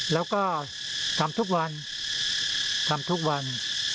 เราก็ต้องทำให้ทำต่อเนื่อง